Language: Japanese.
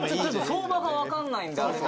相場が分かんないんで。